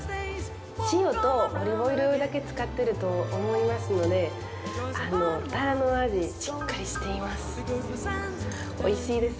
塩とオリーブオイルだけ使ってると思いますのでタラの味、しっかりしています。